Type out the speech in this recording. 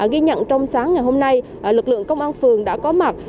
ghi nhận trong sáng ngày hôm nay lực lượng công an phường đã có mặt